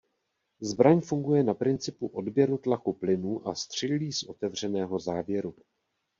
Zbraň funguje na principu odběru tlaku plynů a střílí z otevřeného závěru.